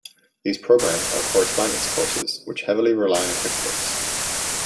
These programs are correspondence courses, which heavily rely on textbooks.